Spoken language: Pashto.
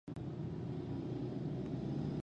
زه نه غواړم خارج ته لاړ شم زما خارج نه دی خوښ